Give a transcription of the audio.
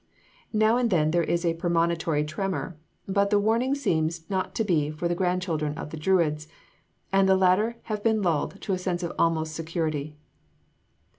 Now and then there is a premonitory tremor; but the warning seems not to be for the grandchildren of the Druids; and the latter have been lulled to a sense of almost absolute security.